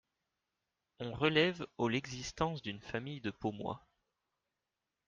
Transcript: On relève aux l'existence d'une famille de Pomoy.